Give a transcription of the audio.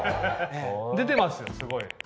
出てますよすごい。